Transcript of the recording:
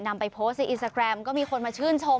นำไปโพสต์ในอินสตาแกรมก็มีคนมาชื่นชม